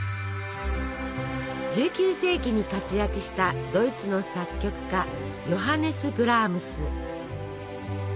１９世紀に活躍したドイツの作曲家ヨハネス・ブラームス。